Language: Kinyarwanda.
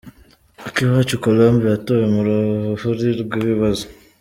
Akiwacu Colombe yatowe mu ruhuri rw’ibibazo.